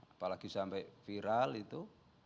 apalagi sampai viral itu